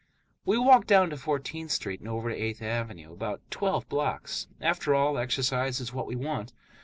We walk down to Fourteenth Street and over to Eighth Avenue, about twelve blocks; after all, exercise is what we want.